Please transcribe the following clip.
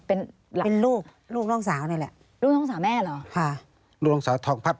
เป็นเป็นลูกลูกน้องสาวนี่แหละลูกน้องสาวแม่เหรอค่ะดวงสาวทองพัด